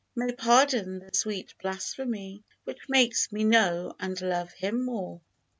May pardon the sweet blasphemy Which makes me know and love Him more !